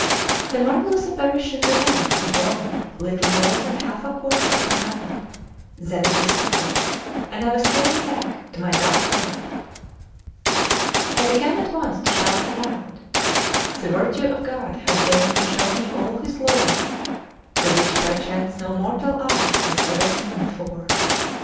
The marvellous apparition remained before me little more than half a quarter of an hour: then it dissolved, and I was carried back to my dark lair. I began at once to shout aloud: "The virtue of God hath deigned to show me all His glory, the which perchance no mortal eye hath ever seen before.